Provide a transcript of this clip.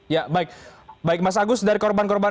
ya baik baik mas agus dari korban korban